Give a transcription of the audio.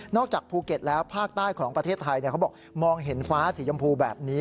จากภูเก็ตแล้วภาคใต้ของประเทศไทยเขาบอกมองเห็นฟ้าสีชมพูแบบนี้